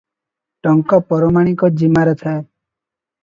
ଟଙ୍କା ପରମାଣିକ ଜିମାରେ ଥାଏ ।